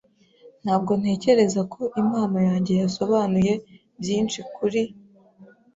Ntabwo ntekereza ko impano yanjye yasobanuye byinshi kuri .